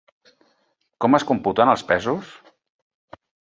Com es computen els pesos?